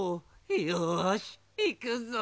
よしいくぞ。